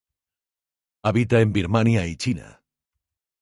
Habita en Birmania y China.